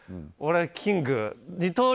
俺、キング。